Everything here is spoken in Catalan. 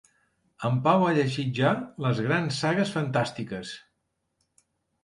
En Pau ha llegit ja les grans sagues fantàstiques.